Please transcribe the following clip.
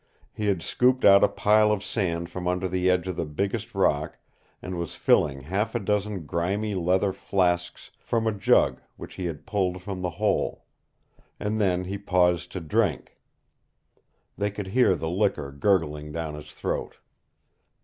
He had scooped out a pile of sand from under the edge of the biggest rock, and was filling half a dozen grimy leather flasks from a jug which he had pulled from the hole. And then he paused to drink. They could hear the liquor gurgling down his throat.